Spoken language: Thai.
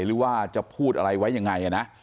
หรือว่าจะพูดอะไรไว้ยังไงนะ